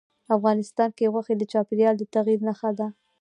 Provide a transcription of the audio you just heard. افغانستان کې غوښې د چاپېریال د تغیر نښه ده.